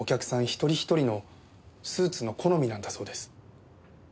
一人一人のスーツの好みなんだそうです。